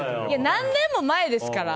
何年も前ですから。